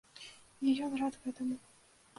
І ён рад гэтаму.